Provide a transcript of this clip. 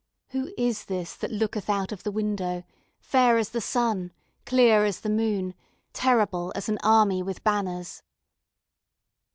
'Who is this that looketh out of the window, fair as the sun, clear as the moon, terrible as an army with banners?'